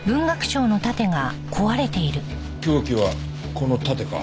凶器はこの盾か。